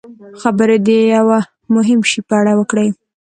خبرې د یوه مهم شي په اړه وکړي.